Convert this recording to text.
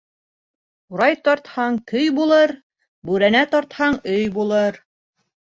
Ҡурай тартһаң, көй булыр Бүрәнә тартһаң, өй булыр.